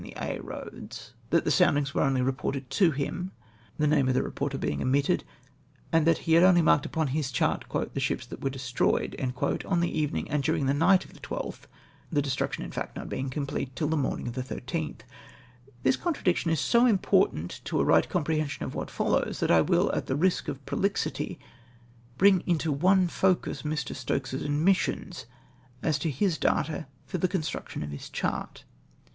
j sounded in Aix Eoads — that the soundings were only reported to liini, tlie name of the reporter being omitted — and tliat he had only marked upon his chart, " tlie sliips that were destroyed " on the evening and dming the night of the 12th, the destruction, in fact, not bemg complete till the morning of the 13th. This contradiction is so important to a right com prehension of what follows, that I will, at the risk of prolixity, bring into one focus ]\ii\ Stokes's admissions as to his data for the construction of his chart.